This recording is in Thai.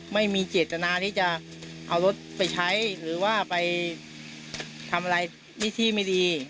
ไม่มีเจตนาที่จะเอารถไปใช้หรือว่าไปทำอะไรวิธีไม่ดี